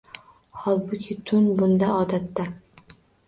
Holbuki, tun — bunda odatda